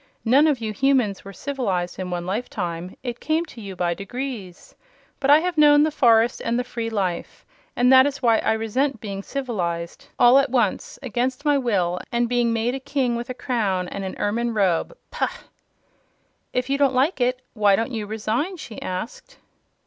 "None of you Humans were civilized in one lifetime. It came to you by degrees. But I have known the forest and the free life, and that is why I resent being civilized all at once, against my will, and being made a King with a crown and an ermine robe. Pah!" "If you don't like it, why don't you resign?" she asked.